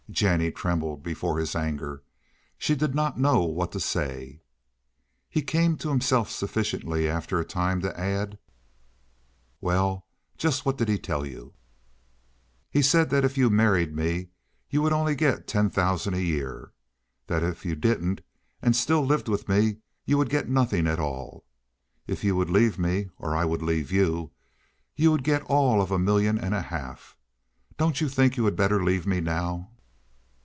Jennie trembled before his anger. She did not know what to say. He came to himself sufficiently after a time to add: "Well. Just what did he tell you?" "He said that if you married me you would only get ten thousand a year. That if you didn't and still lived with me you would get nothing at all. If you would leave me, or I would leave you, you would get all of a million and a half. Don't you think you had better leave me now?"